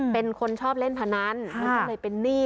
เป็นคนชอบเล่นพนันมันก็เลยเป็นหนี้